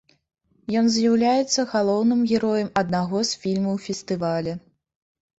Ён з'яўляецца галоўным героем аднаго з фільмаў фестываля.